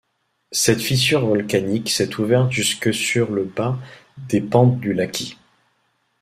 Cette fissure volcanique s'est ouverte jusque sur le bas des pentes du Laki.